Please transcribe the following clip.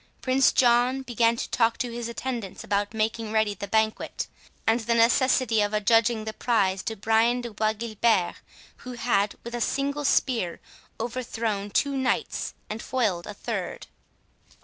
Prince John began to talk to his attendants about making ready the banquet, and the necessity of adjudging the prize to Brian de Bois Guilbert, who had, with a single spear, overthrown two knights, and foiled a third.